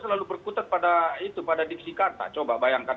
selalu berkutat pada diksi kata coba bayangkan